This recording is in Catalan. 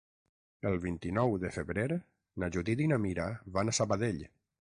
El vint-i-nou de febrer na Judit i na Mira van a Sabadell.